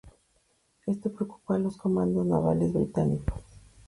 Esto preocupó a los comandos navales británicos.